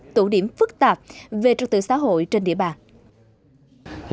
tụ điểm phức tạp về trật tự xã hội trên địa bàn